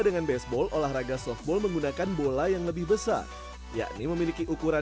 dengan baseball olahraga softball menggunakan bola yang lebih besar yakni memiliki ukuran